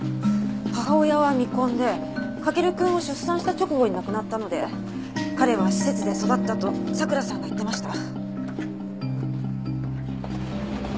母親は未婚で駆くんを出産した直後に亡くなったので彼は施設で育ったと佐倉さんが言ってました。